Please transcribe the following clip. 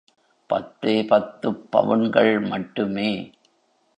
பத்தே பத்துப் பவுன்கள் மட்டுமே.